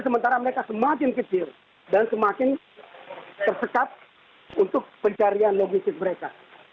sementara mereka semakin kecil dan semakin tersekat untuk pencarian logistik mereka